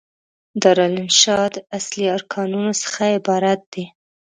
دارالانشأ د اصلي ارکانو څخه عبارت دي.